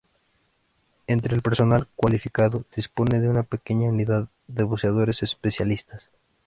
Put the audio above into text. Entre el personal cualificado dispone de una pequeña unidad de buceadores especialistas.